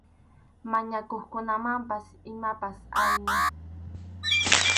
Mañakuqkunamanpas imapas ayniy.